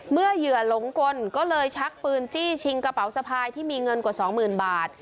เหยื่อหลงกลก็เลยชักปืนจี้ชิงกระเป๋าสะพายที่มีเงินกว่าสองหมื่นบาท